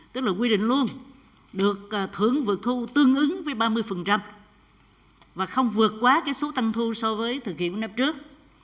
tức là quy định luôn được thưởng vượt thu tương ứng với ba mươi và không vượt quá cái số tăng thu so với thực hiện của năm trước